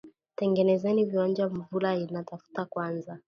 Tutengenezeni viwanja Mvula ina tafuta kwanza